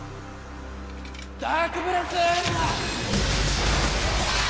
ダーク・ブレス！